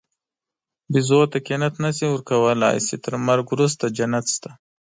بیزو ته قناعت نهشې ورکولی، چې تر مرګ وروسته جنت شته.